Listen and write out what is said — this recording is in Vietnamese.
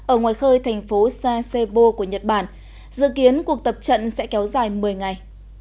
ở ngoài khơi thành phố sasebo của nhật bản dự kiến cuộc tập trận sẽ kéo dài một mươi ngày